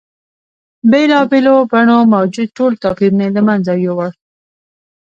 بېلا بېلو بڼو موجود ټول توپیرونه یې له منځه یوړل.